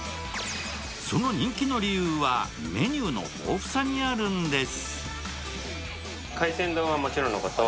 その人気の理由はメニューの豊富さにあるんです。